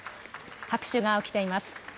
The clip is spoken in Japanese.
拍手が起きています。